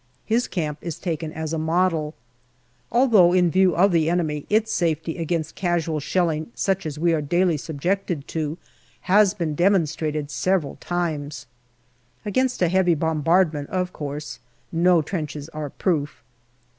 His camp is taken as a model Although in view of the enemy, its safety against casual shelling, such as we are daily subjected to, has been demonstrated several times. Against a heavy bombardment, of course, no trenches are proof.